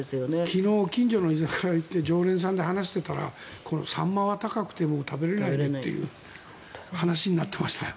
昨日近所の居酒屋に行って常連さんと話してたらサンマは高くて食べられないという話になってましたよ。